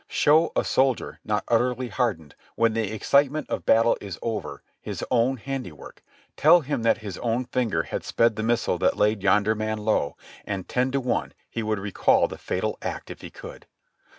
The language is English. Show a soldier, not utterly hardened, when the excitement of battle is over, his own handiwork ; tell him that his own finger had sped the missile that laid yonder man low, and ten to one he would recall the fatal act if he could.